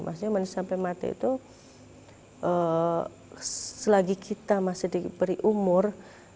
maksudnya sampai mati itu selagi kita masih diberi umur